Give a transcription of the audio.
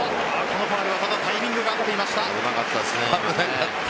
このファウルはタイミングが合っていました。